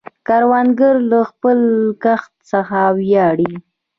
کروندګر له خپل کښت څخه ویاړي